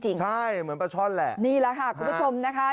ใช่เหมือนปลาช่อนแหละนี่แหละค่ะคุณผู้ชมนะคะ